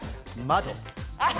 窓。